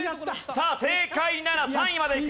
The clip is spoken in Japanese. さあ正解なら３位まで行く。